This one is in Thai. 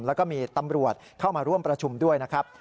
แล้วก็มีตำรวจเข้ามาร่วมประชุมด้วยนะครับ